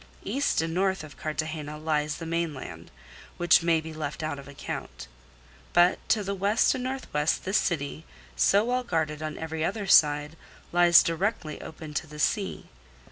East and north of Cartagena lies the mainland, which may be left out of account. But to the west and northwest this city, so well guarded on every other side, lies directly open to the sea.